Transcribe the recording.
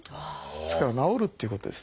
ですから治るっていうことですね。